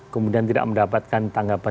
kemudian tidak mendapatkan tanggungjawab